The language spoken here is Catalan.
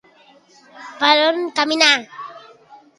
Per on van caminar?